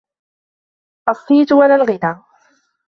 الصِّيتُ ولا الغنى